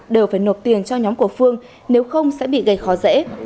đều phải nộp tiền cho nhóm của phương nếu không sẽ bị gây khó dễ